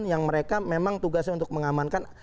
yang mereka memang tugasnya untuk mengamankan